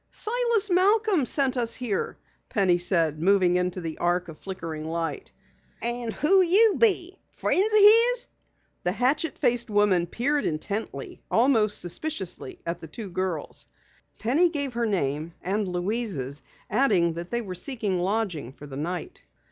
"Silas Malcom sent us here," Penny said, moving into the arc of flickering light. "And who be you? Friends o' his?" The hatchet faced woman peered intently, almost suspiciously at the two girls. Penny gave her name and Louise's, adding that they were seeking lodging for the night.